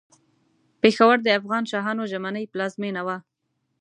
پېښور د افغان شاهانو ژمنۍ پلازمېنه وه.